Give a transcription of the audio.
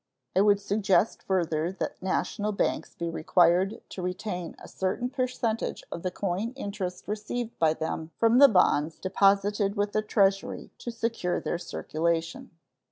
I would suggest further that national banks be required to retain a certain percentage of the coin interest received by them from the bonds deposited with the Treasury to secure their circulation.